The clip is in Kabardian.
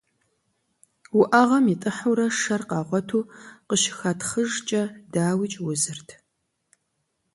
Уӏэгъэм итӏыхьурэ шэр къагъуэту къыщыхатхъыжкӏэ, дауикӏ, узырт.